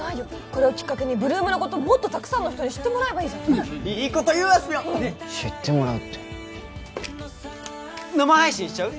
これをきっかけに８ＬＯＯＭのこともっとたくさんの人に知ってもらえばいいじゃんねいいこと言うあすぴょん知ってもらうって生配信しちゃう？